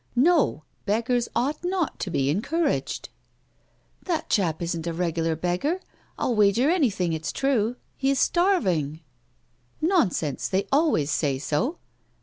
" No ; beggars ought not to be encouraged." " Tiiat chap isn't a regular beggar, I'll wager anything it's true. He is starving." " Nonsense ! They always say so."